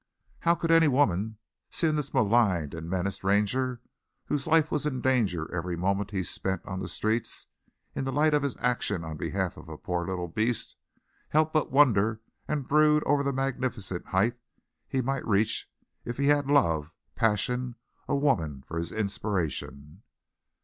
How could any woman, seeing this maligned and menaced Ranger, whose life was in danger every moment he spent on the streets, in the light of his action on behalf of a poor little beast, help but wonder and brood over the magnificent height he might reach if he had love passion a woman for his inspiration?